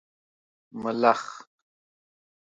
🦗 ملخ